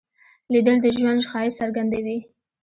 لیدل د ژوند ښایست څرګندوي